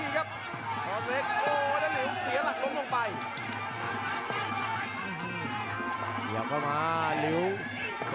นี่ครับหัวมาเจอแบบนี้เลยครับวงในของพาราดอลเล็กครับ